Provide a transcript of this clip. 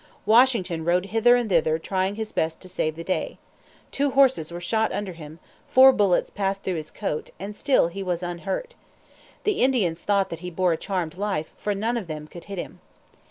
Washington rode hither and thither trying his best to save the day. Two horses were shot under him; four bullets passed through his coat; and still he was unhurt. The Indians thought that he bore a charmed life, for none of them could hit him.